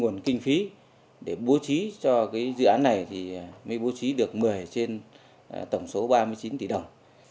nguồn kinh phí để bố trí cho cái dự án này thì mới bố trí được một mươi trên tổng số ba mươi chín tỷ đồng